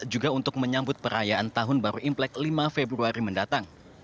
juga untuk menyambut perayaan tahun baru implek lima februari mendatang